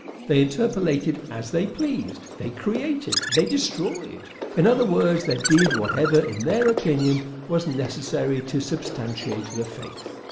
They interpolated as they pleased. They created. They destroyed. In other words, they did whatever in their opinion was necessary to substantiate the faith.